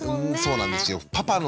そうなんですよ。